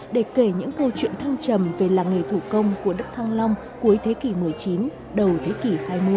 để kể những câu chuyện thăng trầm về làng nghề thủ công của đất thăng long cuối thế kỷ một mươi chín đầu thế kỷ hai mươi